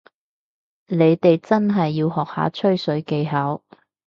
你哋真係要學下吹水技巧